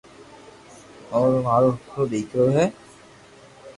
او مارو ھکرو ديڪرو ھي